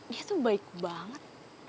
dia tuh baik banget